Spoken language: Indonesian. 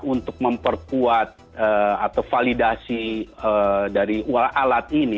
untuk memperkuat atau validasi dari alat ini